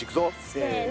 せの。